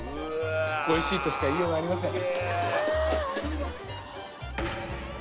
おいしいとしか言いようがありません